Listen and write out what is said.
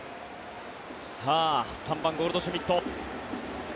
３番ゴールドシュミット。